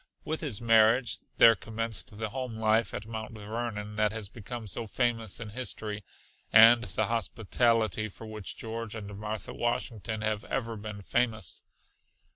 With his marriage there commenced the home life at Mount Vernon that has become so famous in history, and the hospitality for which George and Martha Washington have ever been famous.